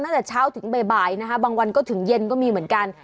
ตั้งแต่เช้าถึงบ่ายนะคะบางวันก็ถึงเย็นก็มีเหมือนกัน